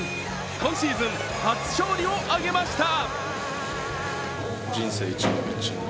今シーズン初勝利を挙げました。